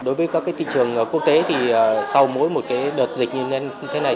đối với các thị trường quốc tế thì sau mỗi một đợt dịch như thế này